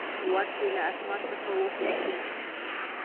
ور شئ له اتمر څخه وپوښتئ.